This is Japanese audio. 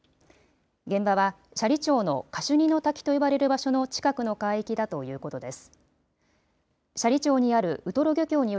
現場は斜里町のカシュニの滝と呼ばれる場所の近くの海域だということです。